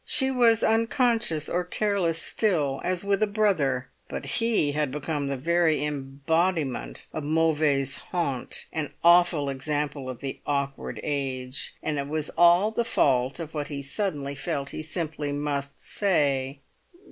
She was unconscious or careless still, as with a brother; but he had become the very embodiment of mauvaise honte, an awful example of the awkward age; and it was all the fault of what he suddenly felt he simply must say.